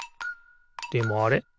でもあれ？